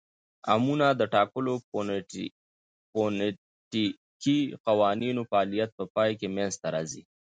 امونونه د ټاکلو فونیټیکښي قوانینو د فعالیت په پای کښي منځ ته راځي.